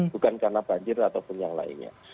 bukan karena banjir ataupun yang lainnya